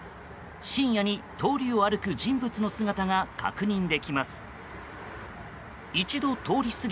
深夜に通りを歩く人物の姿が確認できます。